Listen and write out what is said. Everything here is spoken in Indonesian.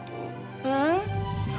aku jadi suami kamu